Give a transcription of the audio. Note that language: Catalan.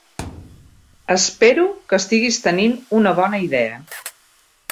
Espero que estiguis tenint una bona idea.